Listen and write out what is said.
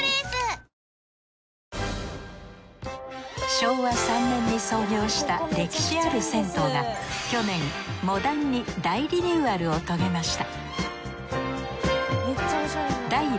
昭和３年に創業した歴史ある銭湯が去年モダンに大リニューアルを遂げました